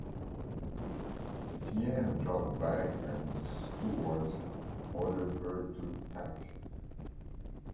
"Cyane" dropped back and Stewart ordered her to tack.